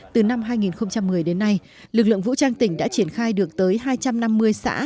từ năm hai nghìn một mươi đến nay lực lượng vũ trang tỉnh đã triển khai được tới hai trăm năm mươi xã